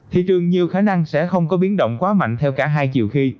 thị trường nhiều khả năng sẽ không có biến động quá mạnh theo cả hai chiều khi